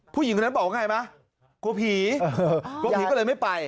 ผู้หญิงคนนั้นบอกว่าไงมั้ยกลัวผีกลัวผีก็เลยไม่ไป